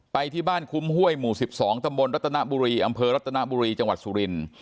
ไปที่บ้านคุ้มห้วยหมู่๑๒ตำบลรัตนบุรีอำเภอรัตนบุรีจังหวัดสุรินทร์